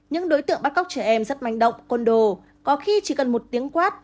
những đối tượng bắt cóc trẻ em rất manh động côn đồ có khi chỉ cần một tiếng quát